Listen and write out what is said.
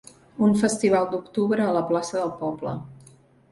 Un festival d'octubre a la plaça del poble.